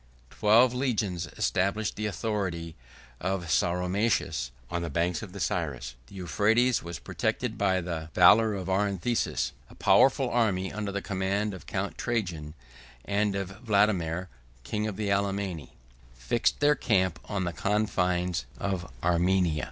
13511 Twelve legions established the authority of Sauromaces on the banks of the Cyrus. The Euphrates was protected by the valor of Arintheus. A powerful army, under the command of Count Trajan, and of Vadomair, king of the Alemanni, fixed their camp on the confines of Armenia.